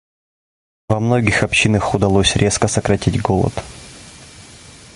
Во многих общинах удалось резко сократить голод.